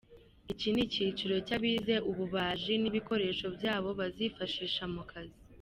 Icyi ni icyiciro cy’abize ububaji n’ibikoresho byabo bazifashisha mu kazi.